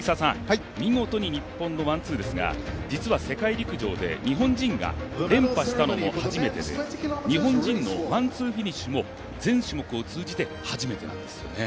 見事に日本のワンツーですが実は世界陸上で日本人が連覇したのも初めてで日本人のワンツーフィニッシュも全種目を通じて、初めてなんです。